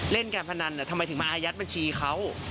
เล่นการพนันทำไมถึงมาอายัดบัญชีเขา